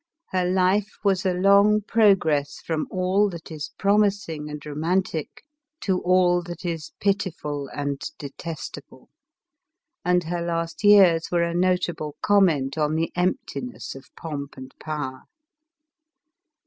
Her life was a long progress from all that is promising and romantic to all that is pitiful and detes table ; and her last years were a notable comment on the emptiness of pomp and power.